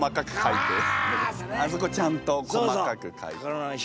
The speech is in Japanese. あそこちゃんと細かくかいて。